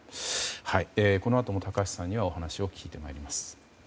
このあとも高橋さんにはお話を聞いてまいります。